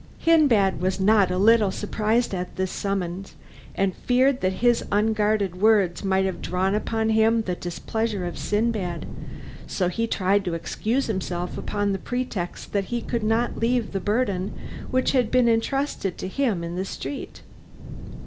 Hindbad was not a little surprised at this summons, and feared that his unguarded words might have drawn upon him the displeasure of Sindbad, so he tried to excuse himself upon the pretext that he could not leave the burden which had been entrusted to him in the street.